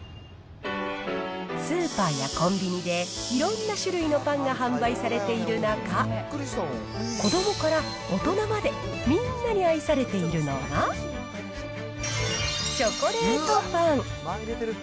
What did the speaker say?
スーパーやコンビニでいろんな種類のパンが販売されている中、子どもから大人までみんなに愛されているのが、チョコレートパン。